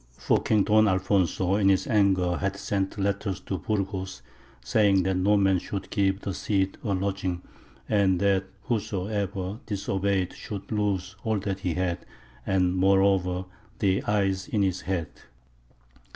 For King Don Alfonso in his anger had sent letters to Burgos, saying that no man should give the Cid a lodging; and that whosoever disobeyed should lose all that he had, and moreover the eyes in his head.